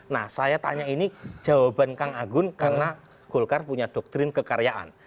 nah saya tanya ini jawaban kang agun karena golkar punya doktrin kekaryaan